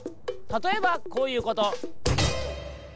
たとえばこういうこと。